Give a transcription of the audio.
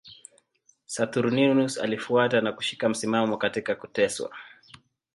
Saturninus alifuata na kushika msimamo katika kuteswa.